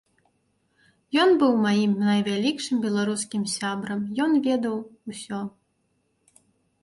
Ён быў маім найвялікшым беларускім сябрам, ён ведаў усё.